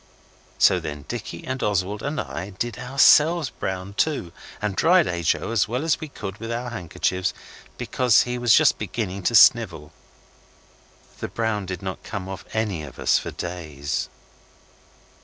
So then Dicky and Oswald and I did ourselves brown too, and dried H. O. as well as we could with our handkerchiefs, because he was just beginning to snivel. The brown did not come off any of us for days.